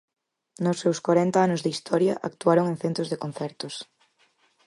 Nos seus corenta anos de historia actuaron en centos de concertos.